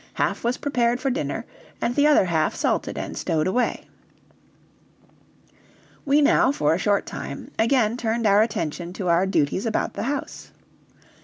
Half was prepared for dinner, and the other half salted and stowed away. We now, for a short time, again turned our attention to our duties about the house.